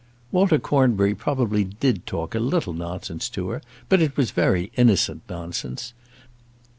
Walter Cornbury probably did talk a little nonsense to her, but it was very innocent nonsense.